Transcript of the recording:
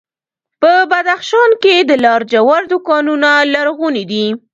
په بدخشان کې د لاجوردو کانونه لرغوني دي